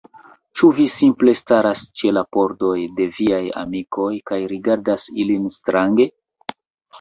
Ĉu vi simple staras ĉe la pordoj de viaj amikoj, kaj rigardas ilin strange?